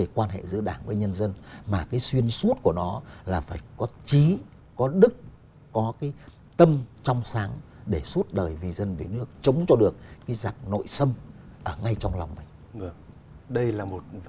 qua quyền cho nên cái nguy cơ nó rất là